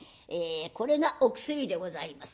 これがお薬でございます。